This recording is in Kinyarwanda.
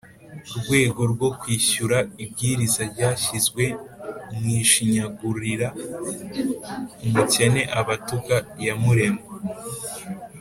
Rwego rwo kwishyura ibwiriza ryashyizwe mu ushinyagurira umukene aba atuka iyamuremye